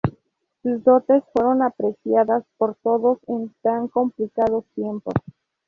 Sus dotes fueron apreciadas por todos en tan complicados tiempos.